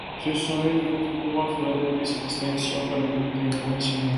Ce sont eux qui contribueront à faire adopter cette distinction par la communauté internationale.